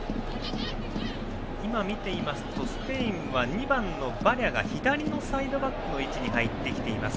今、見ていますとスペインは２番のバリャが左のサイドバックの位置に入ってきています。